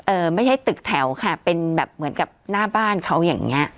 ไม่ใช่ตึกแถวค่ะเป็นแบบเหมือนกับหน้าบ้านเขาอย่างเงี้ย